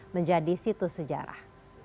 menjadi situs sejarah